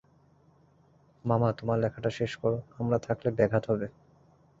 মামা, তোমার লেখাটা শেষ করো, আমরা থাকলে ব্যাঘাত হবে।